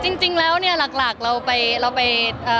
อ๋อคือจริงแล้วเนี่ยหลักเราไป